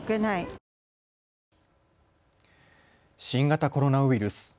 新型コロナウイルス。